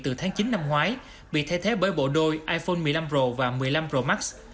từ tháng chín năm ngoái bị thay thế bởi bộ đôi iphone một mươi năm pro và một mươi năm pro max